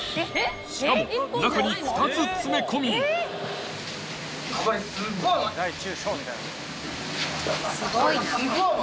しかも中に２つ詰め込みすっごい重い。